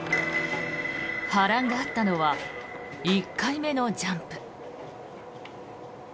波乱があったのは１回目のジャンプ。